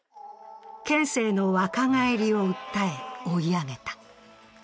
県政の若返りを訴え、追い上げた。